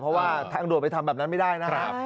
เพราะว่าทางด่วนไปทำแบบนั้นไม่ได้นะครับ